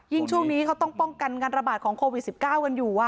ช่วงนี้เขาต้องป้องกันการระบาดของโควิด๑๙กันอยู่